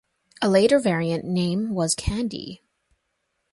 A later variant name was "Candy".